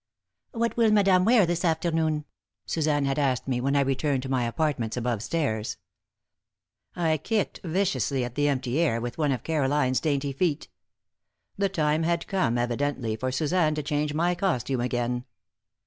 "What will madame wear this afternoon?" Suzanne had asked me when I had returned to my apartments above stairs. I kicked viciously at the empty air with one of Caroline's dainty feet. The time had come, evidently, for Suzanne to change my costume again.